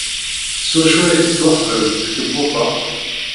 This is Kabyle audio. S wacu ay tettwaxdem tkebbuḍt-a?